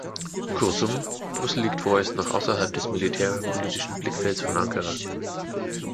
Kurzum, Brüssel liegt vorerst noch außerhalb des militär-politischen Blickfelds von Ankara.